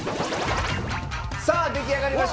さあ出来上がりました。